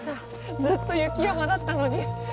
ずっと雪山だったのに。